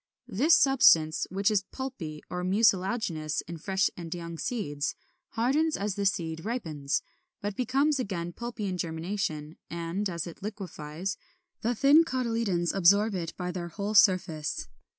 This substance, which is pulpy or mucilaginous in fresh and young seeds, hardens as the seed ripens, but becomes again pulpy in germination; and, as it liquefies, the thin cotyledons absorb it by their whole surface.